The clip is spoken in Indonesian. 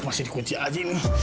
masih di kunci aja ini